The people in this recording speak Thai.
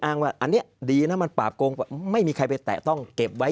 ว่าอันนี้ดีนะมันปราบโกงไม่มีใครไปแตะต้องเก็บไว้